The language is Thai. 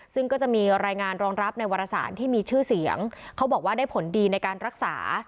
ซึ่งก็จะมีรายงานรองรับในวารสารที่มีชื่อเสียงเขาบอกว่าได้ผลดีในการรักษา